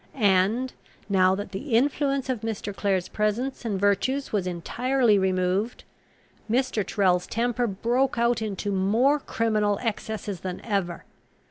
And, now that the influence of Mr. Clare's presence and virtues was entirely removed, Mr. Tyrrel's temper broke out into more criminal excesses than ever.